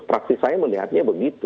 fraksi saya melihatnya begitu